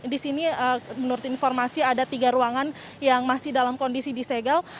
di sini menurut informasi ada tiga ruangan yang masih dalam kondisi disegel